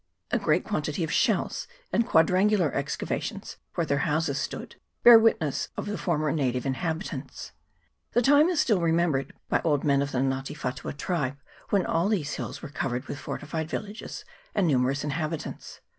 A great quantity of shells and quadrangular excavations, where their houses stood, bear witness of the former native inhabitants : the time is still remembered by old men of the Nga te whatua tribe when all these hills were covered with for tified villages and numerous inhabitants.